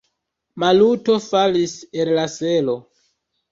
Maluto falis el la selo.